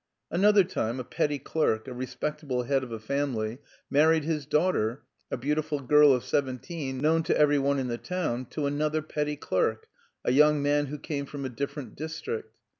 Another time a petty clerk, a respectable head of a family, married his daughter, a beautiful girl of seventeen, known to every one in the town, to another petty clerk, a young man who came from a different district.